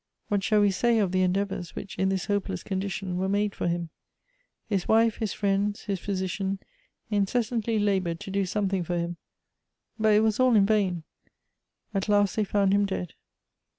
'' What shall we say of the endeavors which in this hopeless condition were made for him ? his wife, his friends, his physician, incessantly labored to do some thing for him. But it was all in vain : at last they found : him'dead.